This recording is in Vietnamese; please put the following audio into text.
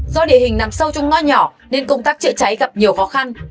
do địa hình nằm sâu trong ngõ nhỏ nên công tác chữa cháy gặp nhiều khó khăn